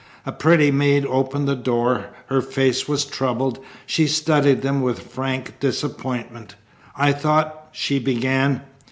A pretty maid opened the door. Her face was troubled. She studied them with frank disappointment. "I thought " she began.